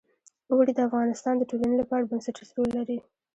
اوړي د افغانستان د ټولنې لپاره بنسټيز رول لري.